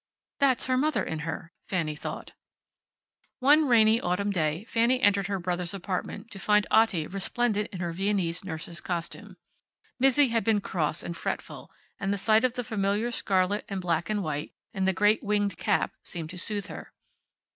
"That's her mother in her," Fanny thought. One rainy autumn day Fanny entered her brother's apartment to find Otti resplendent in her Viennese nurse's costume. Mizzi had been cross and fretful, and the sight of the familiar scarlet and black and white, and the great winged cap seemed to soothe her.